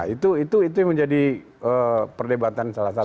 itu itu itu yang menjadi perdebatan salah satu